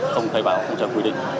không khai bảo không trả quy định